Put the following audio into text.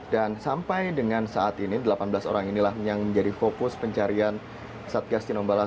dan sampai dengan saat ini delapan belas orang inilah yang menjadi fokus pencarian satgas tinombala